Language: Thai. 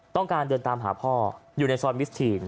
ต้องการเดินตามหาพ่ออยู่ในซอยมิสทีน